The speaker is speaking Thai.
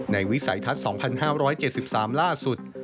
วิสัยทัศน์๒๕๗๓ล่าสุด